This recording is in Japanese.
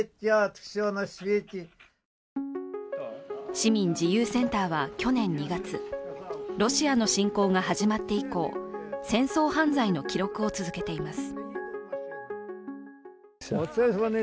市民自由センターは去年２月ロシアの侵攻が始まって以降、戦争犯罪の記録を続けています。